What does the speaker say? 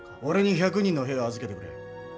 俺に１００人の兵を預けてくれ。